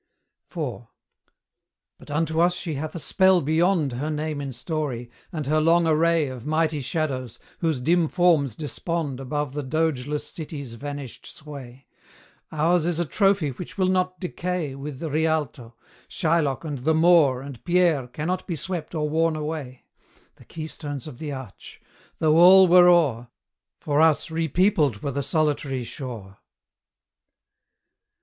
IV. But unto us she hath a spell beyond Her name in story, and her long array Of mighty shadows, whose dim forms despond Above the dogeless city's vanished sway; Ours is a trophy which will not decay With the Rialto; Shylock and the Moor, And Pierre, cannot be swept or worn away The keystones of the arch! though all were o'er, For us repeopled were the solitary shore.